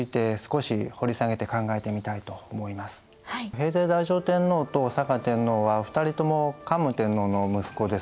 平城太上天皇と嵯峨天皇は２人とも桓武天皇の息子です。